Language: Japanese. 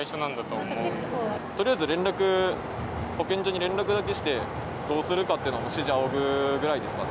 とりあえず連絡、保健所に連絡だけして、どうするかっていうのを指示を仰ぐぐらいですかね。